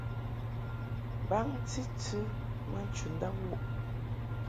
Baŋni tɨ ma nchundab wuʼ.